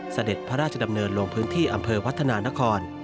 เสด็จพระราชดำเนินลงพื้นที่อำเภอวัฒนานคร